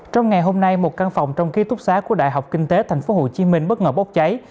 trong ngày hôm nay một căn phòng trong ký túc xá của đại học kinh tế tp hcm bất ngờ bốc cháy